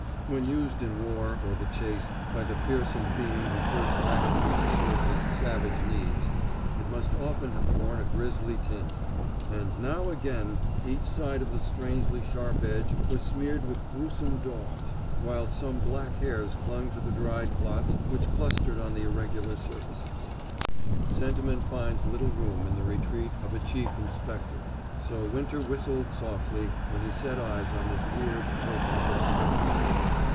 When used in war or the chase by the fearsome being who first fashioned it to serve his savage needs, it must often have borne a grisly tint, and now again each side of the strangely sharp edge was smeared with grewsome daubs, while some black hairs clung to the dried clots which clustered on the irregular surfaces. Sentiment finds little room in the retreat of a Chief Inspector, so Winter whistled softly when he set eyes on this weird token of a crime.